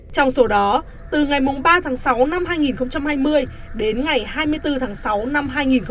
trong số đó từ ngày ba tháng sáu năm hai nghìn hai mươi đến ngày hai mươi bốn tháng sáu năm hai nghìn hai mươi